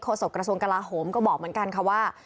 โศกระทรวงกลาโหมก็บอกเหมือนกันค่ะว่า